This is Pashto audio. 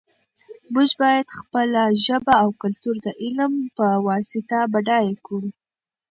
موږ باید خپله ژبه او کلتور د علم په واسطه بډایه کړو.